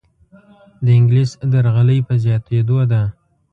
دانګلیس درغلۍ په زیاتیدو ده.